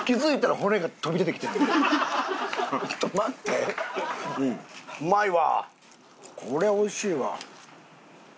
これおいしいわ。